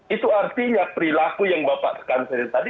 itu artinya perilaku yang bapak tekansari tadi